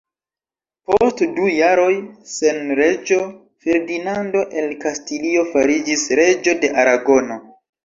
Post du jaroj sen reĝo, Ferdinando el Kastilio fariĝis reĝo de Aragono.